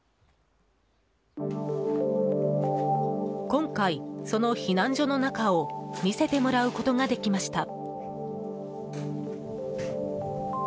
今回、その避難所の中を見せてもらうことができました。